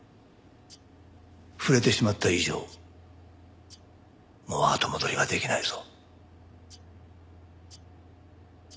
触れてしまった以上もう後戻りはできないぞ。